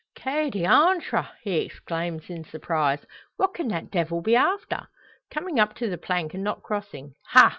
"Que diantre!" he exclaims, in surprise; "what can that devil be after! Coming up to the plank and not crossing Ha!